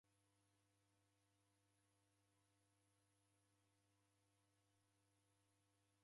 Kwasikire luja lumbo nikudumie?